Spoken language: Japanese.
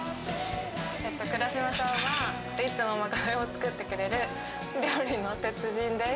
倉島さんはいつもまかないを作ってくれる料理の鉄人です。